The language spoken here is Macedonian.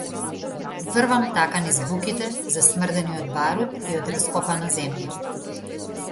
Врвам така низ буките, засмрдени од барут и од раскопана земја.